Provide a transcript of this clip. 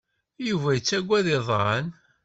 Yuba yettaggad iḍan.